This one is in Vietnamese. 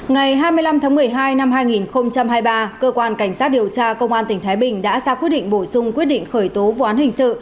ngày hai mươi năm tháng một mươi hai năm hai nghìn hai mươi ba cơ quan cảnh sát điều tra công an tỉnh thái bình đã ra quyết định bổ sung quyết định khởi tố vụ án hình sự